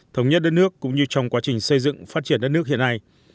thống nhất đất nước cũng như trong quá trình xây dựng phát triển đất nước hiện nay